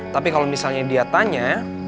tapi kalau misalnya dia tanya